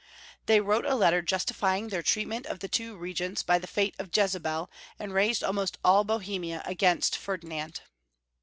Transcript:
They wrote a letter justifying their treat ment of the two regents by the fate of Jezebel, and raised almost all Bohemia against Ferdinand.